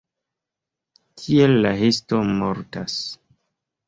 Tiel la histo mortas.